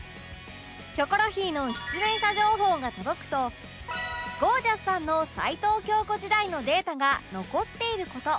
『キョコロヒー』の出演者情報が届くとゴージャスさんの齊藤京子時代のデータが残っている事